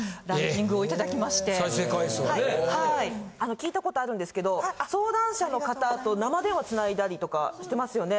聞いたことあるんですけど相談者の方と生電話つないだりとかしてますよね？